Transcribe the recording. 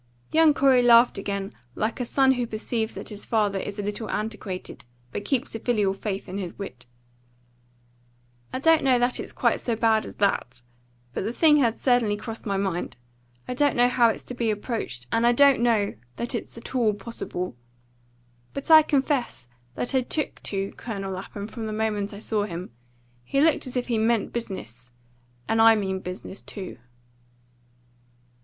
Young Corey laughed again like a son who perceives that his father is a little antiquated, but keeps a filial faith in his wit. "I don't know that it's quite so bad as that; but the thing had certainly crossed my mind. I don't know how it's to be approached, and I don't know that it's at all possible. But I confess that I 'took to' Colonel Lapham from the moment I saw him. He looked as if he 'meant business,' and I mean business too."